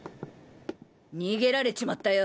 逃げられちまったよ！